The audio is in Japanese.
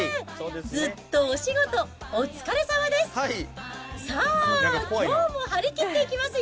ずっとお仕事お疲れさまです。